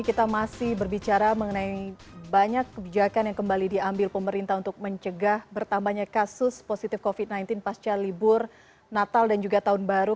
kita masih berbicara mengenai banyak kebijakan yang kembali diambil pemerintah untuk mencegah bertambahnya kasus positif covid sembilan belas pasca libur natal dan juga tahun baru